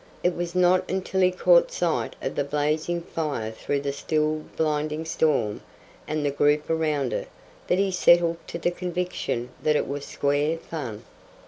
It was not until he caught sight of the blazing fire through the still blinding storm and the group around it that he settled to the conviction that it was "square fun."